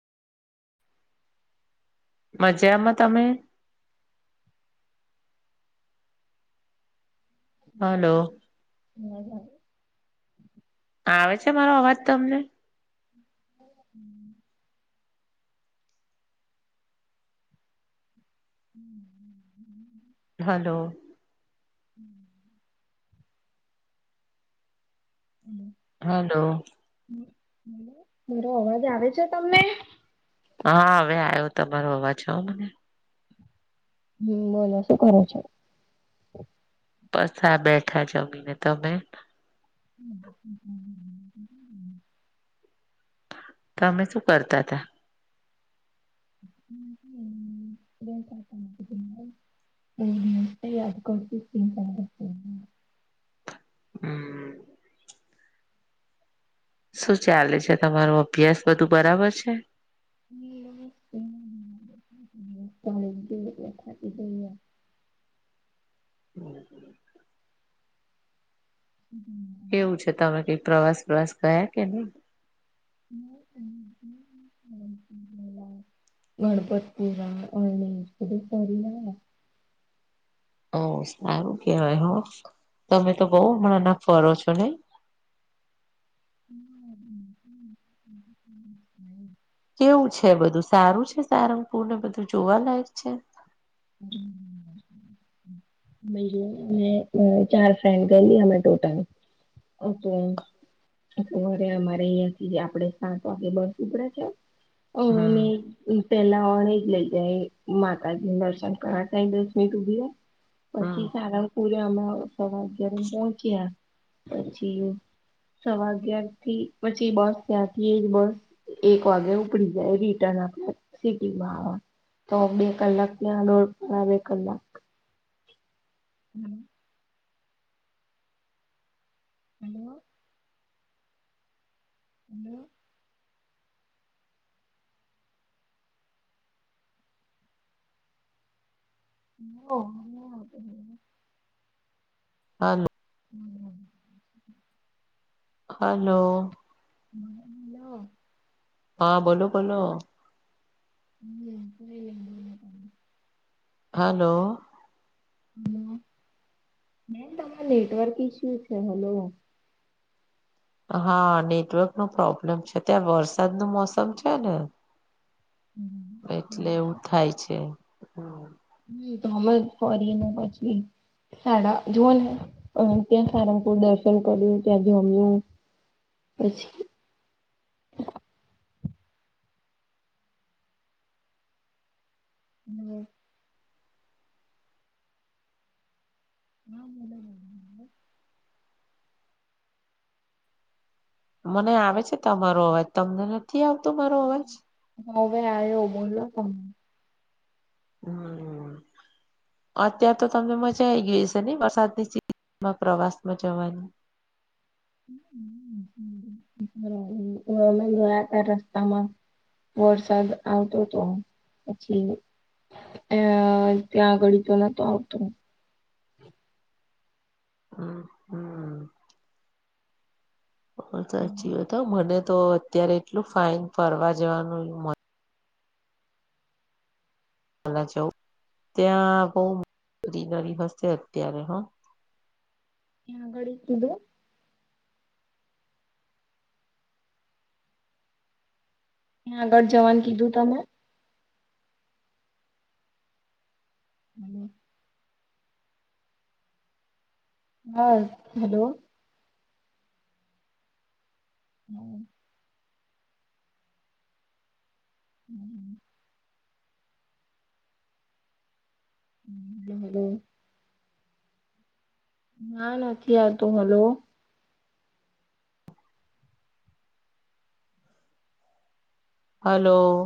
મજામાં તમે? હલો. હમ્મ. આવે છે મારો અવાજ તો તમને? હમ્મ. હમ્મ હ. હલો. હમ્મ. હમ્મ. હલો. મારો અવાજ આવે છે તમને હા હવે આવ્યો તમારો અવાજ હા મને હમ્મ બોલો શું કરો છો? બસ આ બેઠા જમીને તમે? [inaudible] તમે શું કરતા તા? [inaudible] અયાદ કરતી તી તમને હમ્મ. શું ચાલે છે તમારો અભ્યાસ બધું બરાબર છે. [unintelligible] [inaudible] [inaudible] કેવું છે તમે પ્રવાસ પ્રવાસ ગયા કે નહી? [inaudible] ગણપતપુરા અરણશ બધે ફરી ને આયા ઓ સારું કેવાય હો તમે તો બહુ હમણાં ના ફરો છો નઈ? [unintelligible] કેવું છે બધું સારું છે સારંગપુર ને બધું જોવાલાયક છે? [inaudible] અમે ચાર ફ્રેન્ડ ગયેલી અમે ટોટલ અ તો રે અમારે અહિયાં થી આપડે સાત વાગે બસ ઉપડ્યા છે. અ અને હમ પેલા ઓનેજ લઈ જાય માતાજી નું દર્શન ઘણા ટાઈમ બસ ઊભી રે હમ પછી પૂરમાં સવા અગયારે કોણ છે પછી સવા અગિયાર થી પછી બસ ત્યાંથી એજ બસ એક વાગે ઉપડી જાય રિટર્ન આપ સિટીમાં તો બે કલાક ત્યાં દોડ પોણા બે કલાક [inaudible] હલો. હલો. હ. હા [inaudible] હલો. લો હા બોલો બોલો [inaudible] હલો. હલો બેન તમારૂ નેટવર્ક ઇસ્યુ છે હલો. હા નેટવર્ક નું પ્રોબ્લેમ છે ત્યાં વરસાદ નું મોસમ છે ને એટલે એવું થાય છે હા. તમે જ ફરી ને પછી સાડા જુઓ ને અમે ત્યાં સારંગપુર દર્શન કર્યું ત્યાં જમ્યું પછી. હમ્મ. [inaudible] મને આવે છે તમારો અવાજ. તમને નથી આવતો મારો અવાજ? હવે આયો બોલો [unintelligible] હમ્મ. અત્યારે તો તમને મજા આઈ ગઈ હયશે ન‌ઈ વરસાદની [inaudible] માં પ્રવાસમાં જવાની. હમ્મ... અમે ગયા હતા રસ્તામાં. વરસાદ આવતોતો પછી અહ ત્યાં અગાળી તો નતો આવતો. હમ્મ-હમ્મ. સાચી વાત હો. મને તો અત્યારે એટલું ફાઇન ફરવા જવાનું મન ફરવા જવું. ત્યાં બહુ ગ્રીનરી હશે અત્યારે હ. મેં આગડી [unintelligible] ક્યાં આગળ જવાનું કીધું તમે? [inaudible] હા હલો. ના હમ્મ. [inaudible] ના નથી આવતો હલો. હલો.